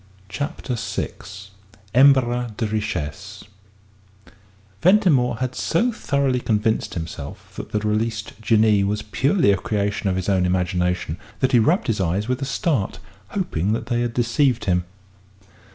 CHAPTER VI EMBARRAS DE RICHESSES Ventimore had so thoroughly convinced himself that the released Jinnee was purely a creature of his own imagination, that he rubbed his eyes with a start, hoping that they had deceived him.